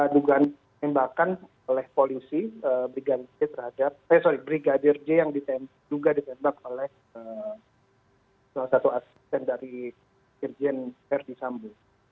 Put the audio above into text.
dugaan tembakan oleh polisi brigadier j yang juga ditembak oleh salah satu asisten dari jirjen herdi sambu